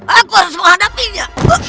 aku harus menghadapinya